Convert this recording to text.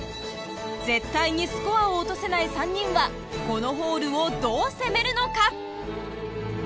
絶対にスコアを落とせない３人はこのホールをどう攻めるのか？